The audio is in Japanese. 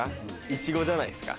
いちごじゃないですか？